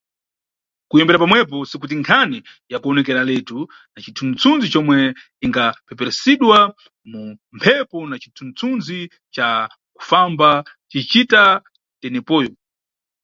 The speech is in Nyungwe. Kuyambira pamwepo sikuti nkhani yakuwonekeraletu na cithunzi-tunzi comwe ingapeperusidwa mu mphepo na cithunzi-thunzi ca kufamba cicita tenepoyo.